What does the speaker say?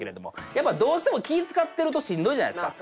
やっぱどうしても気ぃ使ってるとしんどいじゃないですか。